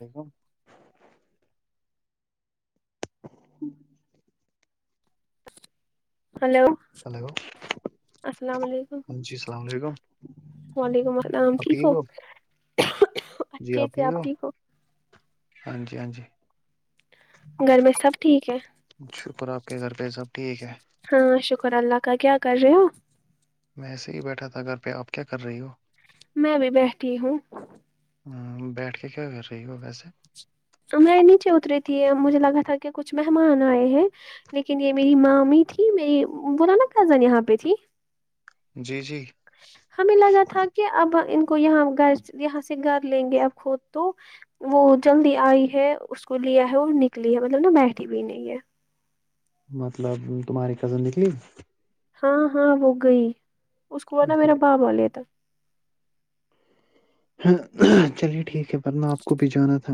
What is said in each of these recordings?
ولیکم ہوں hello hello فقعع ہاں جی السلام علیکم آپ ٹھیک ہو جی اچھے آپ سے ٹھیک ہو آب کو ہاں جی ہاں جی گھر میں سب ٹھیک ہے شکر آپ کے گھر پہ سب ٹھیک ہے ہاں شکر اللہ کا کیا کر رہے ہو میں ایسے ہی بیٹھا تھا گھر پہ آپ کیا کر رہی ہو میں بھی بیٹھی ہوں ہ بیٹھ کے کیا کر رہی ہو ویسے میں نیچے اتری تھی ا مجھے لگا تھا کہ کچھ مہمان آئے ہیں لیکن یہ میری مامی تھی میری وہ ن نا کزن یہاں پہ تھی جی جی ہمیں لگا تھا کہ اب ان کو یہاں گ یہاں سے گھر لیں گے اب خود تو وہ جلدی آئی ہے اس کو لیا ہے اور نکلی ہے مطلب نا بیٹھی بھی نہیں ہے مطلب تمہاری کزن نکلی ہاں ہاں وہ گئی اس کو نا اچھا میرا باپاالے تھا ہاں چلیے ٹھیک ہے نہ آپ کو بھی جانا تھا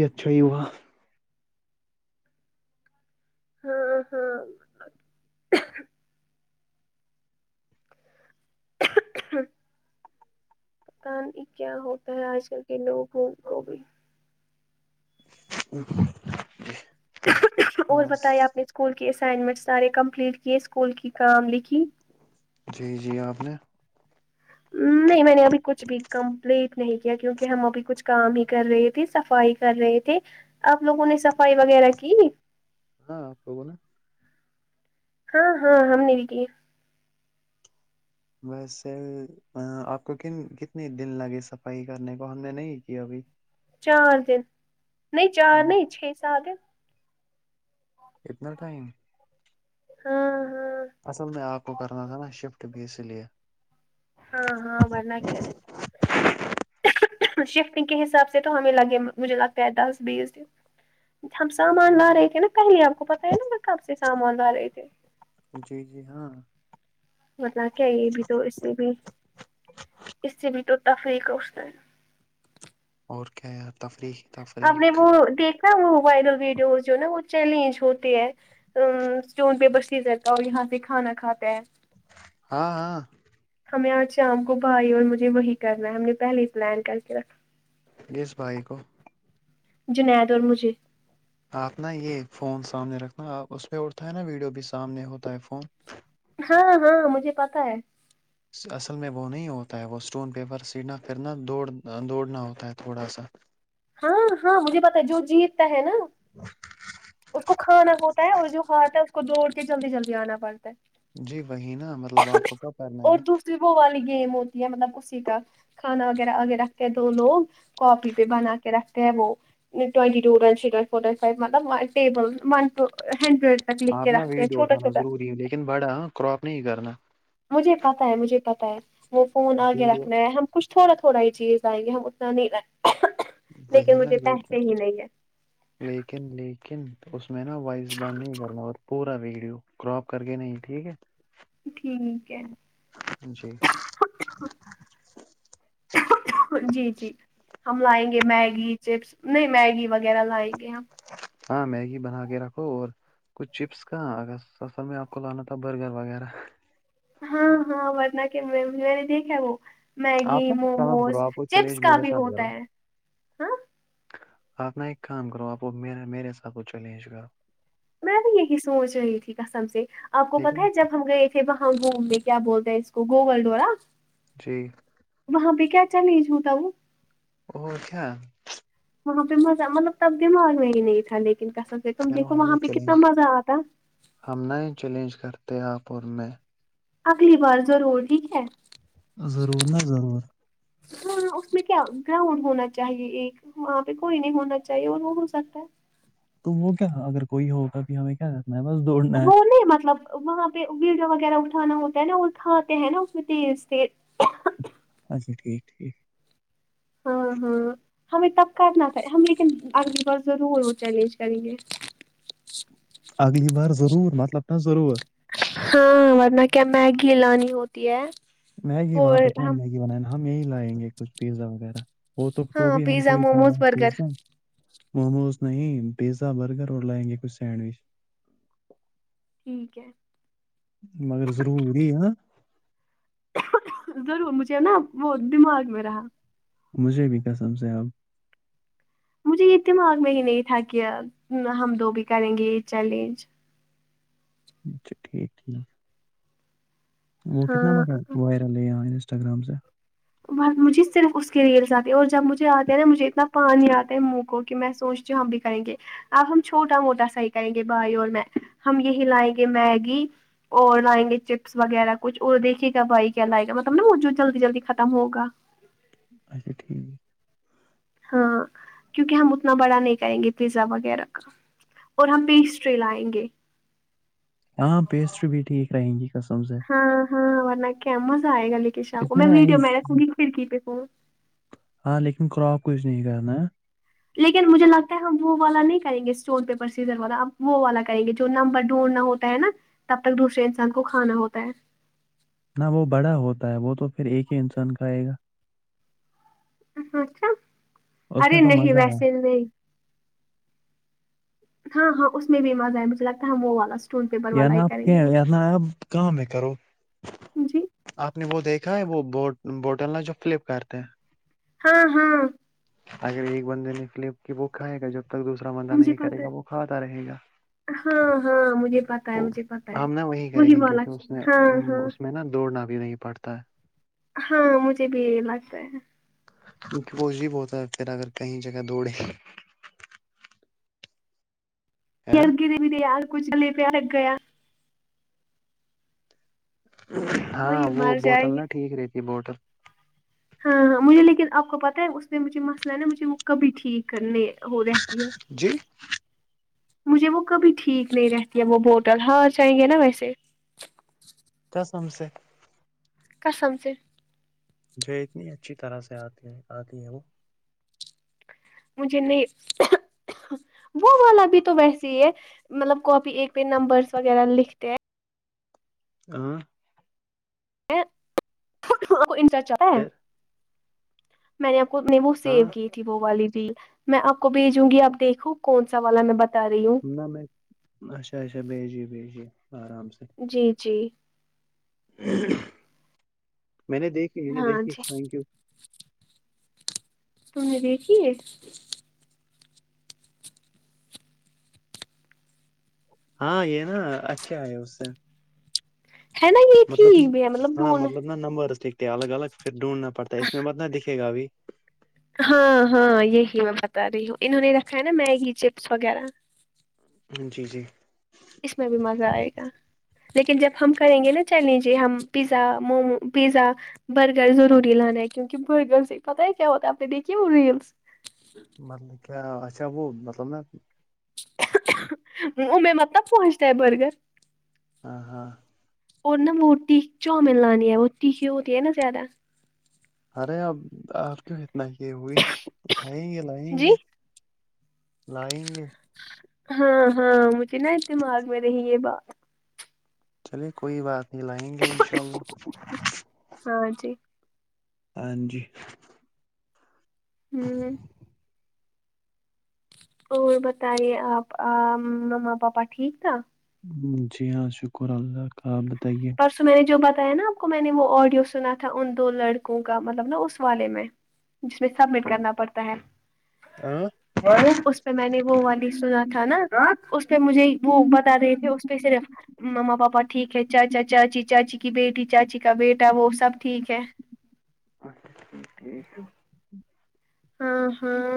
یتھی وہا ہاں ہاں پتا کیا ہوتا ہے آج کل کے لوگوں کو بھی ا اور بتیا آپ نے اسکول کے اسائنمنٹس سارے کمپلیٹ کیے اسکول کی کام لکھی جی- جی آپ نے- [inaudible] نہیں میں نے ابھی کچھ بھی کمپلیٹ نہیں کیا کیونکہ ہم ابھی کچھ کام ہی کر رہے تھے صفائی کر رہے تھے- آپ لوگوں نے صفائی وغیرہ کی- ہاں پگ نا ہاں- ہاں ہم نے و کی- ویسے آپ کون کتنے دن لگے صفائی کرنے کو ہم نے نہیں کیا ابھی چار دن نہیں چار نہیں چھ سال دن اتنا ٹائم ہاں ہاں اصل میں آگ کو کرنا تھا نا شفٹ بھی اس لیے ہاں ہاں برنا کے شفٹنگ کے حساب سے تو ہمیں لگے مجھے لگ پیدااز بیس دس- ہم سامان لا رہے تھے نا کہیں آپ کو پتاہ ہے نا میں کب سے سامان لا رہے تھے- جی- جی ہاں مطلب کیا یہ بھی تو اس سے بھی اس سے بھی تو تفریق ہے- اور کیا تفریح آپ نے تفریح وہ دیکھا وہ وائرل ویڈیوز جو نا وہ چیلنج ہوتے ہیں- اسٹون پہ بسییز رہتا ہے اور یہاں سے کھانا کھاتا ہے- ہاں- ہاں ہمیں آج شام کو بھائی اور مجھے وہی کرنا ہے ہم نے پہلے ہی پلان کر کے رکھا- ی بھائی کو جنید اور مجھے- آپ نا یہ فون سامنے رکھنا آپ اس میں اڑتا ہے نا ویڈیو بھی سامنے ہوتا ہے فون- ہاں- ہاں مجھے پتا ہے اصل میں وہ نہیں ہوتا ہے وہ اسٹون پیپر سینا پھرنا دوڑ دوڑنا ہوتا ہے تھوڑا سا- [inaudible] ہاں- ہاں مجھے پتا ہے جو جیتتا ہے نا اس کو کھانا ہوتا ہے اور جو ہاتھ ہے اس کو دوڑ کے جلدی جلدی آنا پڑتا ہے- جی- وہی نا مطلب آپ کو کب کرنا ہے وہ- سبو والی گیم ہوتی ہے مطلب اسی کا کھانا وغیرہ وغیرہ- دو لوگ کاپی پہ بنا کے رکھتے ہیں وہ- ٹوونٹی ٹ ون شٹ فورٹوائٹ فائیو مطلب ٹیبل ون ٹو ہنڈریڈ- تک لکھ کے آپنا رکھتے ہیں ویٹ چھوٹا اٹھانا چھوٹا ضوری ہے لیکن بڑا کراپ نہیں کرنا- مجھے پتا ہے مجھے پت ہے وہ فون آگے ویڈیو رکھنا ہے ہم- کچھ تھوڑا تھوڑا ہی چیز آئیں گی ہم اتنا نہیں لیں وہی لیکن نا مجھے لیکن پیسے ہی نہیں ہے- لیکن- لیکن اس میں نا وائس بار نہیں کرنا اور پورا ویڈیو- کراپ کر کے نہیں ٹھیک ہے- ٹھیک ہے- ج جی- جی ہم لائیں گے میگی چپس نہیں میگی وغیرہ لائیں گے ہم- ہاں میگی بنا کے رکھو اور- کچھ چپس کا ا اصل میں آپ کو لانا تھا برگر وغیرہ- ہاں- ہاں ورنہ کے میں نے دیکھا وہ میگی آپ نا ایک کام موموز کرو آپ وہ چپس چیلنج کا میرے بھی ہوتا ہے ہاں- آپنا ایک کام کرو آپ میرے ساتھ کچھ چلنج گ- میں بھی یہی سوچ رہی تھی کسم سے آپ کو پتاہ لیکن ہے جب ہم گئے تھے- وہاں گوم میں کیا بولتا ہیں اس کو گوگل ڈورا- جی وہاں پہ کیا چالجوںتا وہ- ا ا کیا وہاں پہ مزہ مطلب تب دماغ میں ہی نہیں تھا لیکن کسب سے تم چلو دیکھو ہمیں وہاں پہ کتنا چیلنج مزہ آتا ہم نئے چیلنج کرتے آپ اور میں اگلی بار ضرور ٹھیک ہے ضرور نا ضرور اس میں کیا گراؤنڈ ہونا چاہیے ایک وہاں پہ کوئی نہیں ہونا چاہیے اور وہ ہو سکتا ہے- تو وہ کیا اگر کوئی ہوگا پھر ہمیں کیا رکھنا ہے بس دوڑنا- ہے وہ نہیں مطلب وہاں پہ ویڈو وغیرہ اٹھانا ہوتا ہے نا وہ اٹھاتے ہیں نا اس میں تیز -تیز اچھا ٹھیک- ٹھیک ہاں- ہاں ہمیں تب کرنا تھا ہم لیکن اگلی بار ضرور وہ چیلنج کریں گے- اگلی بار ضرور مطلب تھا ضرور ہاں ورنہ کیا میگی لانی ہوتی دیا میگی وہاں پہ کون میگی بنانا ہم یہی لائیں گے کچھ پیزا وغیرہ وہ تو تو ہاں بھی ہم کو پیزا ہی کھانا موموز ہے برگر پیزا موموز نہیں پیزا برگر اور لائیں گے کچھ سینڈوچ ٹھیک ہے مگر ضروری ہ ضرور مجھے نا وہ دماغ میں رہا مجھے بھی قسم سےاحب مجھے یہ دماغ میں ہی نہیں تھا کہ ہم دو بھی کریں گے یہ چیلنج اچھا ٹھیک ٹھیک وہ کتنا ہاں بق ہے وائرل ہے یہاں انسٹا گرام سے ب مجھے صرف اس کے ریلس آتی اور جب مجھے آتے ہیں نا مجھے اتنا پانی آتا ہے منہ کو کہ میں سوچ جو ہم بھی کریں گے اب ہم چھوٹا موٹا صحیح کریں گے بھائی اور میں ہم یہی لائیں گے میگی اور لائیں گے چپس وغیرہ کچھ اور دیکے گا بائی کیا لائے گا مطلب نا وہ جو جلدی جلدی ختم ہوگا اچا ٹھیک ہے ہاں کیونکہ ہم اتنا بڑا نہیں کریں گے پیزا وغیرہ کا اور ہم پیسٹری لائیں گے ہاں پیسٹ بھی ٹھیک رہیں گی کسم سے ہاں ہاں ورنہ کیا مزہ آئے گا لے کےے شاہ کو اس میں نا یہی ویڈیو میں رکھوں گی پھر کی پہ فون ہاں لیکن کراپ کچھ نہیں کرنا لیکن مجھے لگتا ہے ہم وہ والا نہیں کریں گے اسٹون پیپر سیزر والا وہ والا کریں گے جو نمبر ڈھونڈھنا ہوتا ہو ہے نا تب تک دوسرے انسان کو کھانا ہوتا ہے نہ وہ بڑا ہوتا ہے وہ تو پھر ایک ہی انسان کھئے گا اچھا اس ارے میں تو نہیں مزہ ہے ویسے ہی نہیں ہاں ہاں اس میں بھی مزہ ہے مجھے لگتا ہے وہ والا اسٹون پیپر والا نا ہی آپ کریں کہ گے نا آپ کام ہے کرو جی آپ نے وہ دیکھا ہے وہ ب بوٹلنا جو فلپکارٹتے ہاں ہاں اگر ایک بندے نے فلپ کی بک کھائے گا جب تک دوسرا بندہ مجھے نہیں کرے پتا گا وہ ہے کھاتا رہے گا ہاں ہاں مجھے پتا ہے وہ مجھے پتا ہے ہم نا وہی کریں گے والا کیونکہ اس نے ہاں ہاں اس میں نا دوڑنا بھی نہیں پڑھتا ہے ہاں مجھے بھی لگتا ہے کیونکہ وہ عجیب ہوتا ہے پھر اگر کہیں جگہ دوڑے ہے نا اگے د بھی دےیار کچھ چلے پیا لگا یا ہاں وہی وہ مر بوتل جائیں نا ٹھیک رہتی بوتل ہاں ہاں مجھے لیکن آپ کو پتہ ہے اس پ میں مجھے مسئلہ ن مجھے وہ کبھی ٹھیک کرنے ہو رہتی ہے جی مجھے وہ کبھی ٹھیک نہیں رہتی ہے وہ بوٹل ہاں چاہیں گے نا ویسے کیاسم سے قسم سے جو اتنی اچھی طرح سے آتی ہے آتی ہے وہ م جے نہیں وہ والا بھی تو ویسے ہی ہے مطلب کاپی ایک پہ نمبرس وغیرہ لکھتے ہیں ہاں ا پھر [unintelligible] میں نے آپ کو اپ نبو ہاں سیو کی والی بھی میں آپ کو بھیجوں گی اپ دیکھو کونا والا میں بتا رہی ہوں نہ میں اچھا اچھا بھیجے بھیجیے آرام سے جی جی میں نے دیکھھی میں نے ہاں دیکھی جی تھینک یو تو نہیں د کی ہاں یہ نا اچھا ہے اس سے ہے نا یہ مطلب ٹھیک بھی ہے ہاں ڈھونڈ مطلب نا نمبرس لکھتے ہیں الگ الگ پھر ڈھونڈنا پڑتا ہے اس میں مت نا دکھے گابھی ہاں ہاں یہی میں بتا رہی ہوں انہوں نے رکھا ہے نا میگی چپس وغیرہ جی جی اس میں بھی مزہ آئے گا لیکن جب ہم کریں گے نا چل لیجیے ہم پیزا مومو پیزا برگر ضروری لانا ہے کیونکہ برگر سے ہی پتا ہے کیا ہوتا ہےپ نے دیکھیے ریلس مطلب کیا اچھا وہ مطلب نا ا میں متب پہنچتا ہے برگر ہاں ہاں اور نا موٹی چؤمین لانی ہے وہوٹی کی ہوتی ہے نا زیادہ ارے اب آپ کی کتنا یہ ہوئی لائیں گے لائیں جی گے لائیں گے ہاں ہاں مجھے نا دماغ میں رہی یہ بات چلے کوئی بات نہیں لائیں گے ان شاء اللہ ہاں جی ہاں جی ہوں اور بتائیے آپ مما پاپا ٹھیک تھا جی ہاں شکر اللہ کاپ بتائیے و میں نے جو بتایا نا آپ کو میں نے وہ آڈیو سنا تھا ان دو لڑکوں کا مطلب نا اس والے میں جس میں سبمٹ کرنا پڑتا ہے ہ [unintelligible] اس پہ میں نے وہ والی سنا تھا نا اس پہ مجھے وہ بتا رہے تھے اس پہ صرف مما پاپا ٹھیک ہے چاچا چاچی چاچی کی بیٹی چاچی چی کا بیٹا وہ سب ٹھیک ہے ہاں ہاں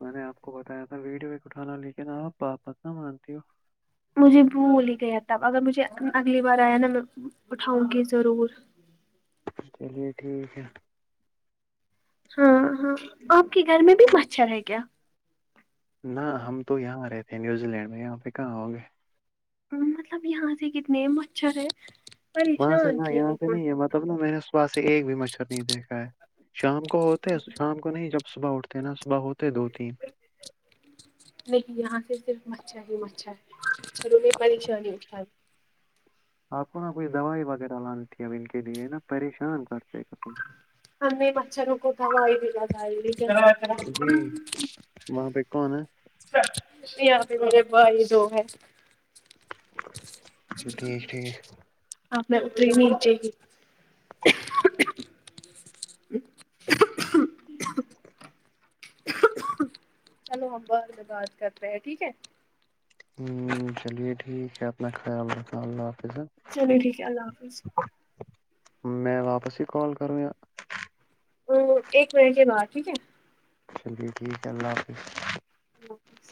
میں نے آپ کو بتایا تھا ویڈ ویک اٹھانا لیکن آپ باپت نہ مانتی ہو مجھے بھول ہی گیا تب اگر مجھے اگلی بار آیا نا میں اٹھاؤں گی ضرور چلیے ٹھیک ہے ہاں ہاں آپ کے گھر میں بھی مچھر ہے کیا نہ ہم تو یہاں رہے تھے نیوزی لینڈ میں یہاں پہ کہاں ہوں گے مطلب یہاں سے کتنے مچھر ہے وہاں سے پریشان نہ کیا یہاں سے نہیں ہے م تب ن میں نے صبح سے ایک بھی مچر نہیں دیکھا ہے شام کو ہوتا ہے شام کو نہیں جب صبح اٹھتے ہیں نا صبح ہوتے دو تین نہیں یہاں سے صرف مچھر ہی مچھر ہے پ انہیں پریشانی اٹھات دی آپ کو نا کوئی دوائی وغیرہ لانی تھی اب ان کے لیے نا پریشان کرتے قسم ہم مچھ روں کوتا ہوئی بھی گ گ ماں پکا نا یہاں پہ میرے بھائی جو ہے ٹھیک ٹھیک آپ میں اتری مچے ہی [inaudible] چلو ہمبر میں بات کر رہے ہیں ٹھیک ہے ہ چلیے ٹھیک ہے اپنا خیال راکھ اللہ حافظ چلیو ٹھیک ہے اللہ حافظ میں واپس ہی کال کروںیا [unintelligible] ا ایک منٹ کے باہر ٹھیک ہے چلیے ٹھیک ہے اللہ حافظ اللہ حافظ